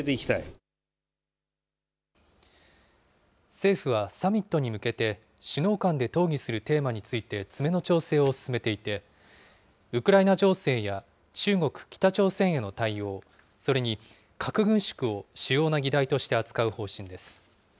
政府はサミットに向けて、首脳間で討議するテーマについて詰めの調整を進めていて、ウクライナ情勢や中国、北朝鮮への対応、それに核軍縮を主要な議題として扱う方針です。